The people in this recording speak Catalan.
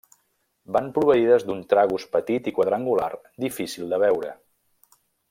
Van proveïdes d'un tragus petit i quadrangular, difícil de veure.